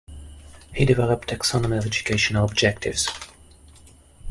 He developed taxonomy of educational objectives.